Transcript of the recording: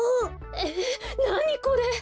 えっなにこれ？